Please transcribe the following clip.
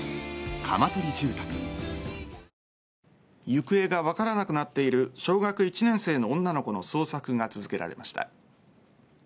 行方が分からなくなっている小学１年生の女の子の捜索が続けられました。